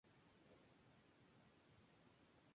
Se calcula como la distancia que recorre la luz en un año.